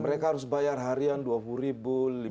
mereka harus bayar harian dua puluh ribu